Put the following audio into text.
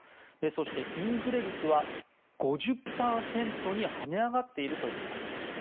そしてインフレ率は５０％に跳ね上がっているということです。